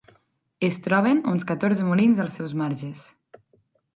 Es troben uns catorze molins als seus marges.